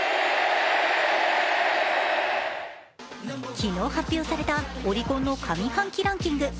昨日発表されたオリコンの上半期ランキング。